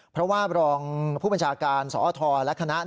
เพราะว่ารองผู้บัญชาการสอทรและคณะ